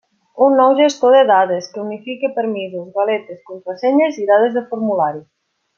Un nou gestor de dades que unifica permisos, galetes, contrasenyes i dades de formulari.